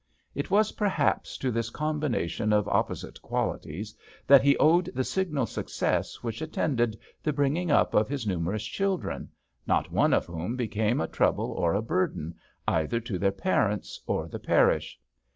It was perhaps to this combination of opposite qualities that he owed the signal success which attended the bringing up of his numerous children, not one of whom became a trouble or a burden either to their parents or the parish.